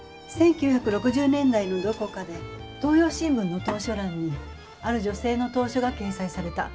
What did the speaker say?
１９６０年代のどこかで東洋新聞の投書欄にある女性の投書が掲載された。